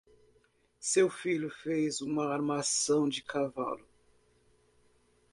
Seu filho fez uma armação de cavalo.